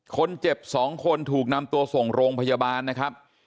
คนเจ็บ๒คนถูกนำตัวส่งโรงพยาบาลนะครับ